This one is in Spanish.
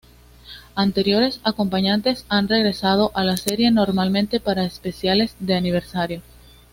Anteriores acompañantes han regresado a la serie, normalmente para especiales de aniversario.